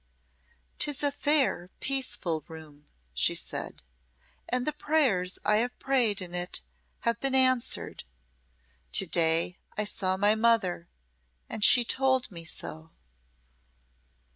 "'Tis a fair, peaceful room," she said. "And the prayers I have prayed in it have been answered. To day I saw my mother, and she told me so."